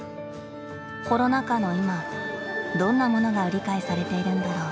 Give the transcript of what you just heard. コロナ禍の今どんなものが売り買いされているんだろう。